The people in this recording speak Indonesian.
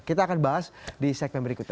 kita akan bahas di segmen berikutnya